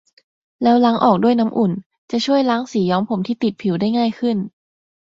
แล้วล้างออกด้วยน้ำอุ่น จะช่วยล้างสีย้อมผมที่ติดผิวได้ง่ายขึ้น